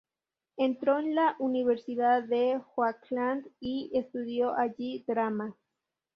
Entró en la Universidad de Oakland y estudió allí drama.